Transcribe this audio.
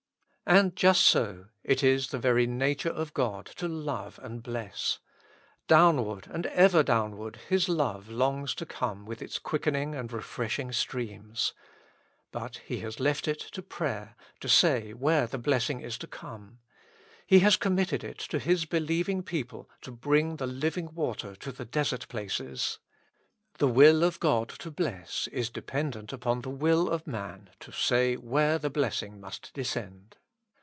And just so, it is the very nature of God to love and to bless. Downward and ever downw^ard His love longs to come with its quicken ing and refreshing streams. But He has left it to prayer to say where the blessing is to come. He has committed it to His believing people to bring the living water to the desert places : the will of God to bless is dependent upon the will of man to say where the blessing must descend.